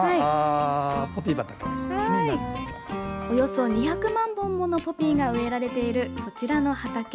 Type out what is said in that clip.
およそ２００万本ものポピーが植えられているこちらの畑。